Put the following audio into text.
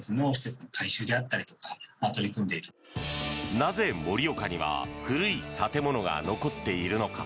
なぜ、盛岡には古い建物が残っているのか。